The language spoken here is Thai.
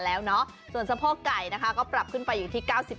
แล้วเนาะส่วนพอไก่นะคะก็ปรับขึ้นไปอีกที่